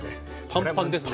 パンパンです